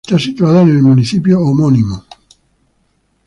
Está situada en el municipio homónimo.